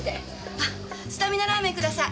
あっスタミナラーメンください。